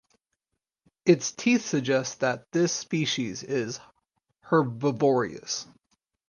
It’s teeth suggest that this species is herbivorous.